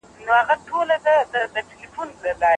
علم زده کړئ.